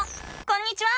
こんにちは！